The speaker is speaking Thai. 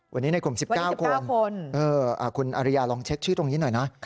วันนี้ในกลุ่ม๑๙คนคุณอริยาลองเช็คชื่อตรงนี้หน่อยนะ